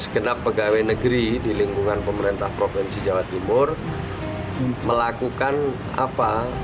segenap pegawai negeri di lingkungan pemerintah provinsi jawa timur melakukan apa